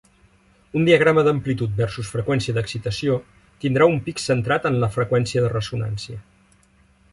Un diagrama d'amplitud versus freqüència d'excitació tindrà un pic centrat en la freqüència de ressonància.